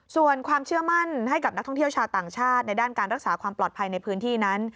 ส่วนความเชื่อมั่นให้กับนักท่องเที่ยวชาวต่างชาติในด้านการรักษาความปลอดภัยในพื้นที่นั้น